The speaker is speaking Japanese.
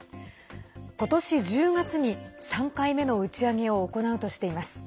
今年１０月に３回目の打ち上げを行うとしています。